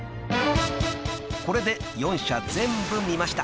［これで４社全部見ました］